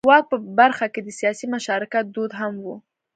د واک په برخه کې د سیاسي مشارکت دود هم و.